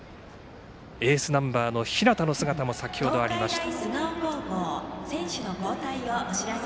エースナンバーの日當の姿もありました。